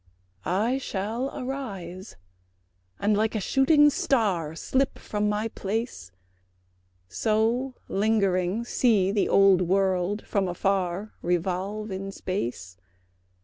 I shall arise, and like a shooting star Slip from my place; So lingering see the old world from afar Revolve in space.